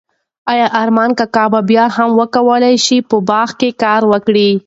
ایا ارمان کاکا به بیا هم وکولای شي په باغ کې کار وکړي؟